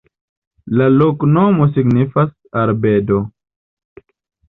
La loknomo signifas: arbedo.